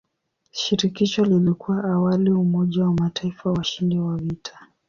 Shirikisho lilikuwa awali umoja wa mataifa washindi wa vita.